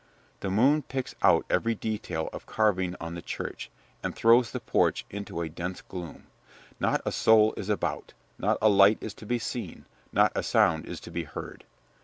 The moon picks out every detail of carving on the church, and throws the porch into a dense gloom. Not a soul is about, not a light is to be seen, not a sound is to be heard.